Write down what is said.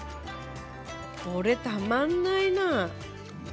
これ、たまんないな。